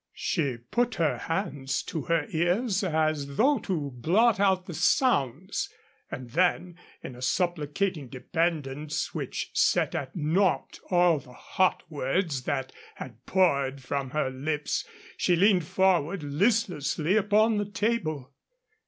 She put her hands to her ears as though to blot out the sounds. And then, in a supplicating dependence which set at naught all the hot words that had poured from her lips, she leaned forward listlessly upon the table.